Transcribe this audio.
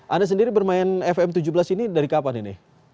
anda sendiri bermain fm tujuh belas ini dari kapan ini